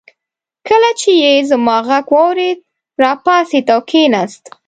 کله چې يې زما غږ واورېد راپاڅېد او کېناست.